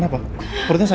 kamu mau memberi pandan